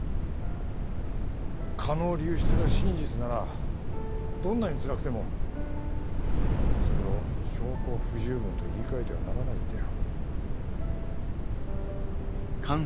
蚊の流出が真実ならどんなにつらくてもそれを証拠不十分と言いかえてはならないんだよ。